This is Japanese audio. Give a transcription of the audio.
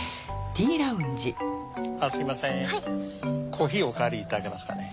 コーヒーおかわりいただけますかねぇ。